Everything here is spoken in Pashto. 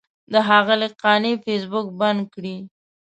د ښاغلي قانع فیسبوک بند کړی.